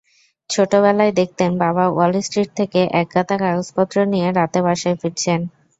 ছোটবেলায় দেখতেন বাবা ওয়ালস্ট্রিট থেকে একগাদা কাগজপত্র নিয়ে রাতে বাসায় ফিরছেন।